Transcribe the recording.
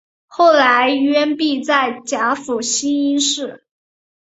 后来幽闭在甲府兴因寺。